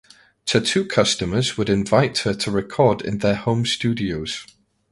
Tattoo customers would invite her to record in their home studios.